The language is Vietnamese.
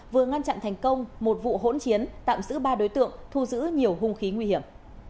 vừa ngăn chặn thành công một vụ hỗn chiến tạm giữ ba đối tượng thu giữ nhiều hung khí nguy hiểm